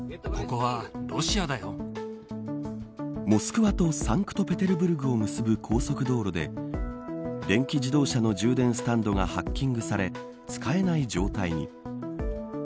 モスクワとサンクトペテルブルグを結ぶ高速道路で電気自動車の充電スタンドがハッキングされ使えない状態に。